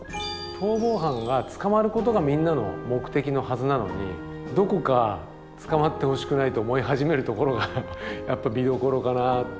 逃亡犯が捕まることがみんなの目的のはずなのにどこか捕まってほしくないと思い始めるところが見どころかな。